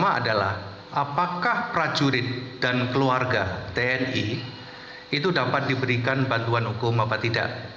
apakah prajurit dan keluarga tni itu dapat diberikan bantuan hukum apa tidak